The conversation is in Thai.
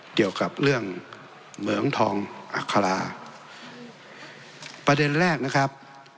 เกี่ยวกับเรื่องเหมืองทองอัคราประเด็นแรกนะครับ